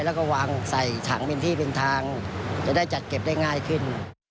แล้วก็วางใส่ถังเป็นที่เป็นทางจะได้จัดเก็บได้ง่ายขึ้น